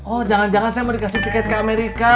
oh jangan jangan saya mau dikasih tiket ke amerika